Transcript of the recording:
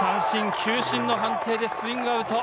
球審の判定でスイングアウト。